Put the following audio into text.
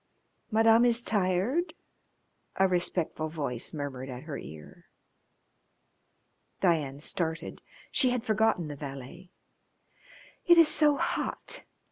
"Madam is tired?" a respectful voice murmured at her ear. Diana started. She had forgotten the valet. "It is so hot.